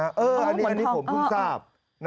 อันนี้ผมเพิ่งทราบ